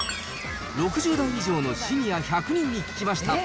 ６０代以上のシニア１００人に聞きました。